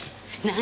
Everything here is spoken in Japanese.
何？